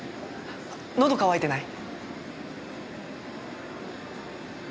喉渇いてない？